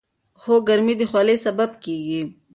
هو، ګرمي د خولې سبب کېږي.